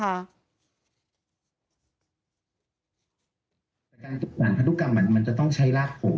การตรวจต่างพันธุกรรมมันจะต้องใช้รากผม